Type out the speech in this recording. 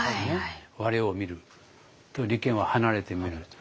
「我を見る」と離見は「離れて見る」と。